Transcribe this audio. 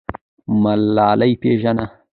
ملالۍ پیژنه.